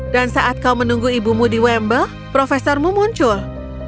dan saat kau menunggu ibumu di wembley profesormu muncul